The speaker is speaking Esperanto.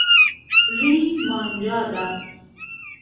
Ri manĝadas.